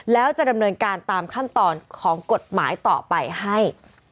แล้วจะดำเนินการตามขั้นตอนของกฎหมายต่อไปให้